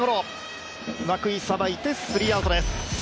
涌井さばいてスリーアウトです。